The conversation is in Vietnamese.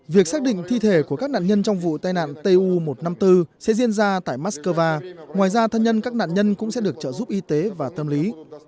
việc xác định thi thể của các nạn nhân trong vụ tai nạn tu một trăm năm mươi bốn sẽ diễn ra tại moscow ngoài ra thân nhân các nạn nhân cũng sẽ được trợ giúp y tế và tâm lý